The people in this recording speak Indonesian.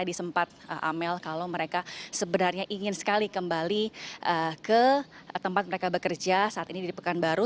jadi sempat amel kalau mereka sebenarnya ingin sekali kembali ke tempat mereka bekerja saat ini di pekanbaru